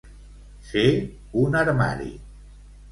Ser un armari.